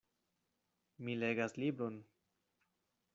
Mi legas libron.